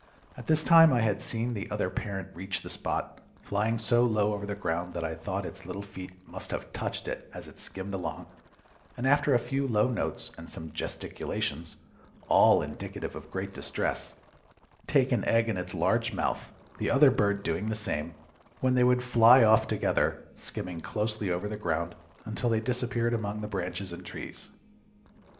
At this time I had seen the other parent reach the spot, flying so low over the ground that I thought its little feet must have touched it as it skimmed along, and after a few low notes and some gesticulations, all indicative of great distress, take an egg in its large mouth, the other bird doing the same, when they would fly off together, skimming closely over the ground, until they disappeared among the branches and trees."